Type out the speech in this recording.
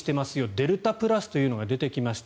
デルタプラスというのが出てきました。